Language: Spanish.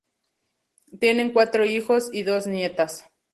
Tienen cuatro hijos y dos nietas.